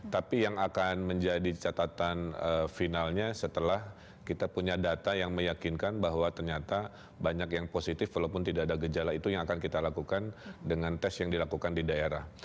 tapi yang akan menjadi catatan finalnya setelah kita punya data yang meyakinkan bahwa ternyata banyak yang positif walaupun tidak ada gejala itu yang akan kita lakukan dengan tes yang dilakukan di daerah